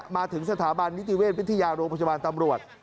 มาถึงสถาบันนิติเวชวิทยาโรงพยาบาลตำรวจ